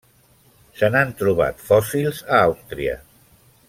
Se n'han trobat fòssils a Àustria.